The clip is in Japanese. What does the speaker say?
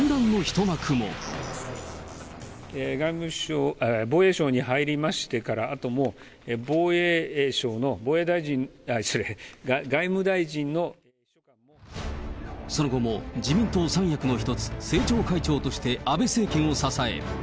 外務省、防衛省に入りましてからあとも、防衛省の防衛大臣、失礼、その後も自民党三役の一つ、政調会長として安倍政権を支え。